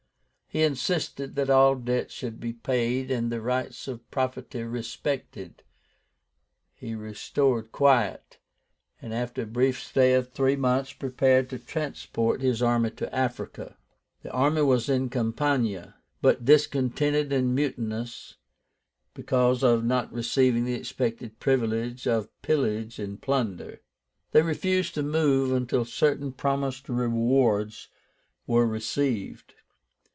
He insisted that all debts should be paid, and the rights of property respected. He restored quiet, and after a brief stay of three months prepared to transport his army to Africa. The army was in Campania, but discontented and mutinous because of not receiving the expected privilege of pillage and plunder. They refused to move until certain promised rewards were received.